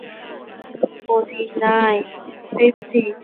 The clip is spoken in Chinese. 埃唐普地处南北向的国道以及东西向的省道的交叉处。